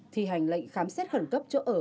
thì hành lệnh khám xét khẩn cấp chỗ ở